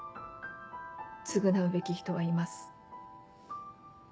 償うべき人はいます。